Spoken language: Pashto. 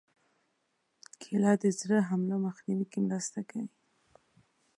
کېله د زړه حملو مخنیوي کې مرسته کوي.